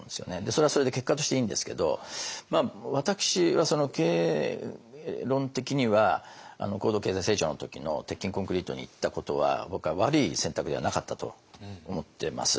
それはそれで結果としていいんですけど私は経営論的には高度経済成長の時の鉄筋コンクリートにいったことは僕は悪い選択ではなかったと思ってます。